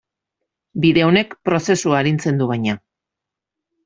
Bide honek prozesua arintzen du, baina.